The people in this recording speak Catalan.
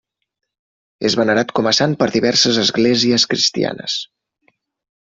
És venerat com a sant per diverses esglésies cristianes.